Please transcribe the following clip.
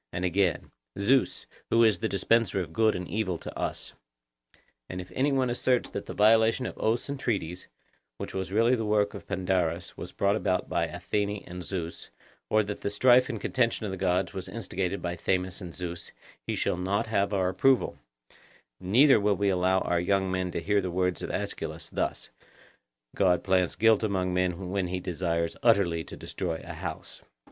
And again— 'Zeus, who is the dispenser of good and evil to us.' And if any one asserts that the violation of oaths and treaties, which was really the work of Pandarus, was brought about by Athene and Zeus, or that the strife and contention of the gods was instigated by Themis and Zeus, he shall not have our approval; neither will we allow our young men to hear the words of Aeschylus, that 'God plants guilt among men when he desires utterly to destroy a house.